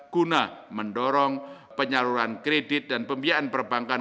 guna mendorong penyaluran kredit dan pembiayaan perbankan